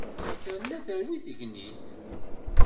Terna terwi tegnit.